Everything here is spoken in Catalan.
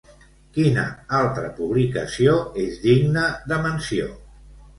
Quina altra publicació és digna de menció?